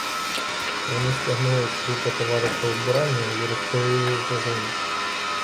Вони стягнули з трупа товариша убрання й розпалили вогонь.